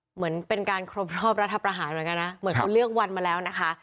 เหมือนเป็นการครบรอบรัฐประหารเหมือนกันนะเหมือนเขาเลือกวันมาแล้วนะคะ